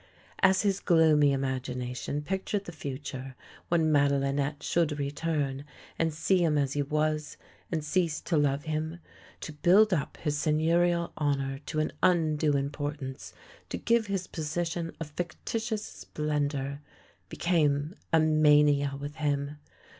As his gloomy imagination pictured the future, when Madelinette should return and see him as he was and cea se to love him — to build up his Seigneurial honour to an undue importance, to give his position a fictitious splendour, became a mania with him.